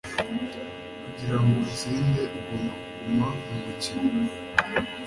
Kugira ngo utsinde ugomba kuguma mu mukino.